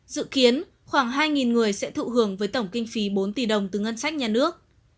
dự kiến khoảng hai người sẽ thụ hưởng với tổng kinh phí bốn tỷ đồng từ ngân sách nhà nước